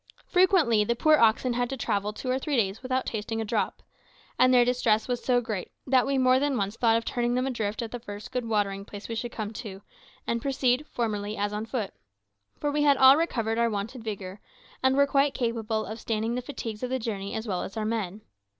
Frequently the poor oxen had to travel two or three days without tasting a drop, and their distress was so great that we more than once thought of turning them adrift at the first good watering place we should come to, and proceed, as formerly, on foot; for we had all recovered our wonted vigour, and were quite capable of standing the fatigues of the journey as well as our men.